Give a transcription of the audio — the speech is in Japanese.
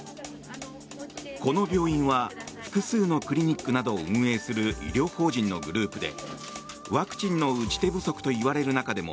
この病院は複数のクリニックなどを運営する医療法人のグループでワクチンの打ち手不足といわれる中でも